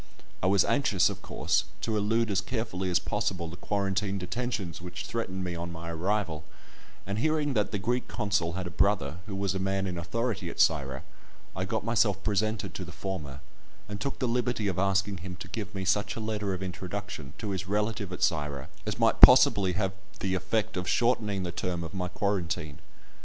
I was anxious, of course, to elude as carefully as possible the quarantine detentions which threatened me on my arrival, and hearing that the Greek consul had a brother who was a man in authority at Syra, I got myself presented to the former, and took the liberty of asking him to give me such a letter of introduction to his relative at Syra as might possibly have the effect of shortening the term of my quarantine.